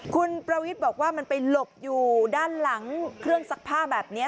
คุณประวิทย์บอกว่ามันไปหลบอยู่ด้านหลังเครื่องซักผ้าแบบนี้